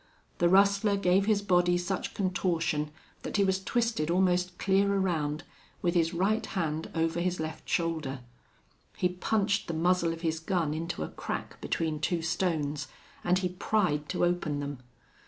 The rustler gave his body such contortion that he was twisted almost clear around, with his right hand over his left shoulder. He punched the muzzle of his gun into a crack between two stones, and he pried to open them.